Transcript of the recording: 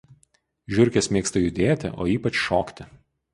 Žiurkės mėgsta judėti, o ypač šokti